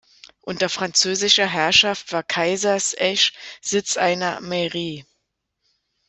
Unter französischer Herrschaft war Kaisersesch Sitz einer Mairie.